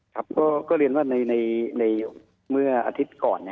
ครับก็เรียนว่าในเมื่ออาทิตย์ก่อน